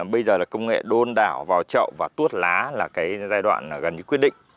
bây giờ là công nghệ đôn đảo vào chậu và tuốt lá là cái giai đoạn gần như quyết định